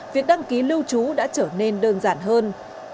việc đăng ký lưu trú đã trở nên đơn giản hơn